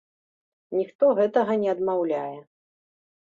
Ніхто гэтага не адмаўляе.